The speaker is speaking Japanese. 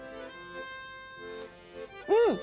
うん。